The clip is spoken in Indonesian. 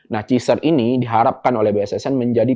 nah cser ini diharapkan oleh bssn menjadi